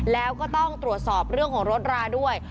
แล้วก็ต้องตรวจสอบเรื่องของรถราด้วย